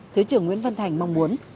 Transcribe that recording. thứ trưởng nguyễn văn thành mong muốn